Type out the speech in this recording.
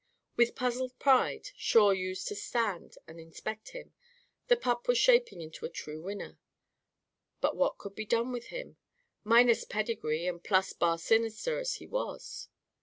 With puzzled pride Shawe used to stand and inspect him. The pup was shaping into a true winner. But what could be done with him minus pedigree and plus bar sinister as he was?